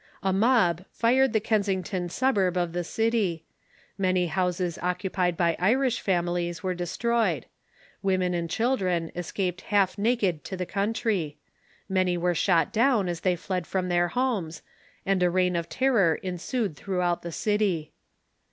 A mob fired the Kensington suburb of the city ; many houses occupied by Irish families were destroyed; women and children escaped half naked to the country ; many were shot down as they fled from their homes; and a reign of terror ensued throughout the city.